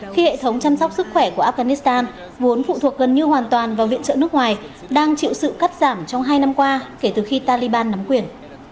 khi hệ thống chăm sóc sức khỏe của afghanistan vốn phụ thuộc gần như hoàn toàn vào viện trợ nước ngoài đang chịu sự cắt giảm trong hai năm qua kể từ khi taliban nắm quyền